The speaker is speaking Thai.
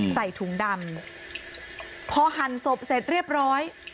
ใส่ถุงดำพอหั่นศพเสร็จเรียบร้อย